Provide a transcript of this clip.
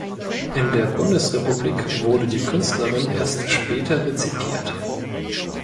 In der Bundesrepublik wurde die Künstlerin erst später rezipiert.